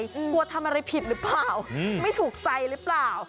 กลัวทำอะไรผิดหรือเปล่าไม่ถูกใจหรือเปล่า